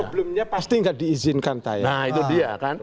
problemnya pasti nggak diizinkan nah itu dia kan